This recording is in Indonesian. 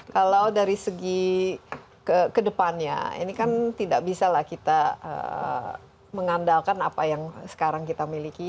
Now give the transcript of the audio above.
kalau dari segi ke depannya ini kan tidak bisa lah kita mengandalkan apa yang sekarang kita miliki